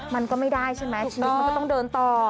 มันก็ไม่ได้ใช่ไหมชีวิตมันก็ต้องเดินต่อ